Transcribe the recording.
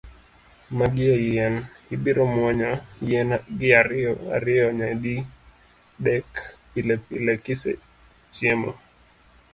Magi e yien, ibiro muonyo yien gi ariyo ariyo nyadi dek, pilepile ka isechiemo.